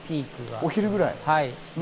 お昼ぐらい。